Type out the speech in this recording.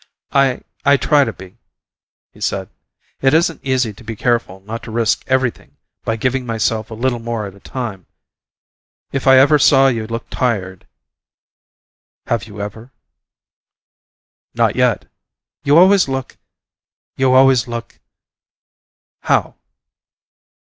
"I I try to be," he said. "It isn't easy to be careful not to risk everything by giving myself a little more at a time. If I ever saw you look tired " "Have you ever?" "Not yet. You always look you always look " "How?"